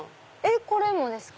これもですか？